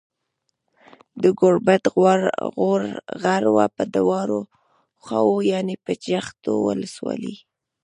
د گوربت غروه په دواړو خواوو يانې په جغتو ولسوالۍ